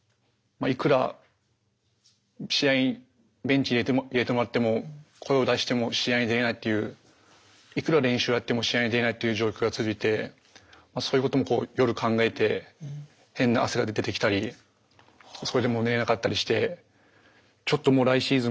あいくら試合にベンチに入れてもらっても声を出しても試合に出れないっていういくら練習をやっても試合に出れないっていう状況が続いてそういうことも夜考えて変な汗が出てきたりそれでもう寝れなかったりしてちょっともう来シーズン